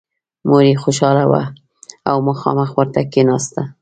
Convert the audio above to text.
مور یې خوشحاله وه او مخامخ ورته کېناسته